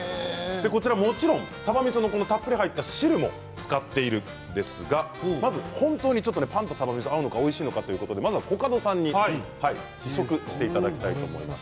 もちろん、さばみそのたっぷり入った汁も使っているんですが本当にパンとさばみそが合うのかおいしいのかまずはコカドさんに試食していただきたいと思います。